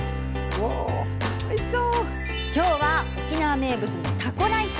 今日は沖縄名物のタコライス。